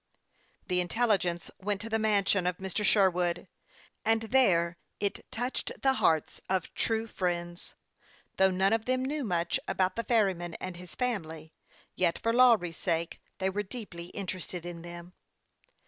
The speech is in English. The intelligence went to the mansion of Mr. Sher wood, and there it touched the hearts of true friends. Though none of them knew much about the ferry man and his family, yet for Lawry' s sake they were THE YOUNG PILOT OF LAKE CHAMPLAIX. 99 deeply interested in them.